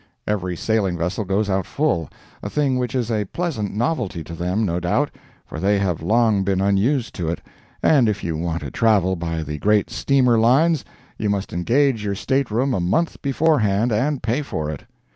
Every sailing vessel goes out full, a thing which is a pleasant novelty to them, no doubt, for they have long been unused to it, and if you want to travel by the great steamer lines you must engage your state room a month before hand and pay for it.